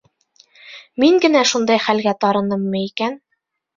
Мин генә шундай хәлгә тарыныммы икән?